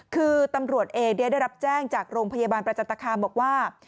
คือตำรวจเองได้รับแจ้งจากโรงพยาบาลประจันตคามบอกว่า